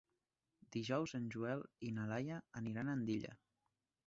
Dijous en Joel i na Laia aniran a Andilla.